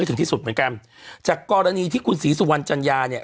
ได้โรงและอย่างกันจากกรณีที่คุณศรีสุรวรรณจรรยาเนี่ย